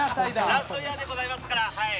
ラストイヤーでございますから。